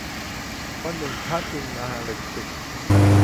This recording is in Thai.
วันหนึ่งพระจึงมะหลึกตึก